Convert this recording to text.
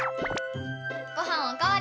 ごはん、お代わり。